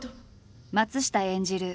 松下演じる